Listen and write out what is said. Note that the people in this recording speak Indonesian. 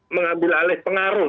mengambil alih pengaruh